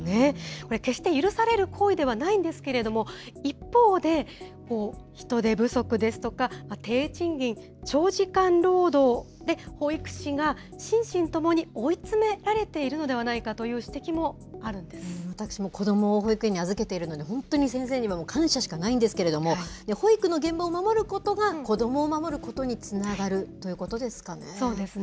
これ、決して許される行為ではないんですけれども、一方で、人手不足ですとか、低賃金、長時間労働で、保育士が心身ともに追い詰められているのではないかという指摘も私も子どもを保育園に預けているので、本当に先生には感謝しかないんですけれども、保育の現場を守ることが子どもを守ることにつながるということでそうですね。